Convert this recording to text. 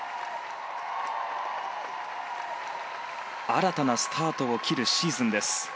新たなスタートを切るシーズンです。